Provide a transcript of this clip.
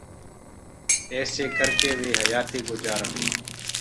ايسي ڪر ڪي وي حيآتي گُجارن۔